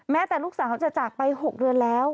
แต่ลูกสาวจะจากไป๖เดือนแล้ว